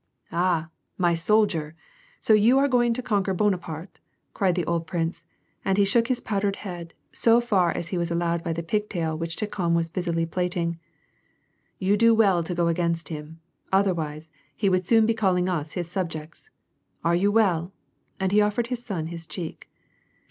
" Ah, my soldier ! so you are going to conquer Bonaparte ?*' cried the old prince, and he shook his powdered head, so far as he was allowed by the pig tail whicJi Tikhon was busy plait ing. " You do well to go against him ; otherwise, he would soon be calling us his subjects ! Are you well ?" and he offered his son his cheek.